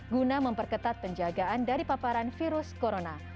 guna memperketat penjagaan dari paparan virus corona